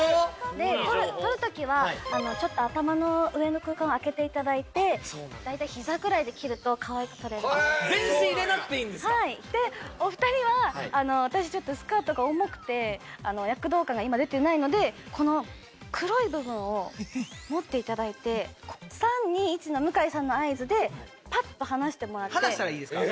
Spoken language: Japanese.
で撮るときはちょっと頭の上の空間をあけていただいて大体膝くらいで切るとかわいく撮れる全身入れなくていいんですかはいでお二人は私ちょっとスカートが重くて躍動感が今出ていないのでこの黒い部分を持っていただいて３・２・１の向井さんの合図でパッと離してもらって離したらいいですか？